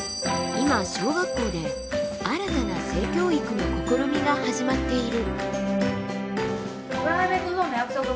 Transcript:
今小学校で新たな性教育の試みが始まっている。